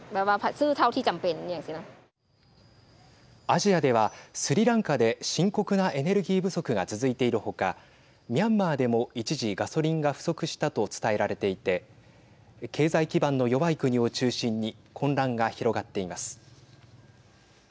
アジアではスリランカで深刻なエネルギー不足が続いているほかミャンマーでも一時、ガソリンが不足したと伝えられていて経済基盤の弱い国を中心に混乱が広がっています。